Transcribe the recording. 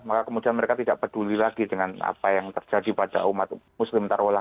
maka kemudian mereka tidak peduli lagi dengan apa yang terjadi pada umat muslim taruhlah